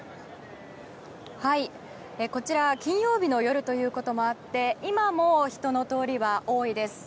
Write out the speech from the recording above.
こちら金曜日の夜ということもあって今も人の通りは多いです。